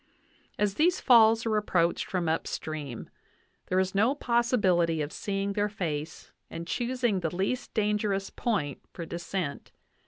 As these falls are approached from upstream, there is no possibility of seeing their face and choosing the least danger ous point for descent.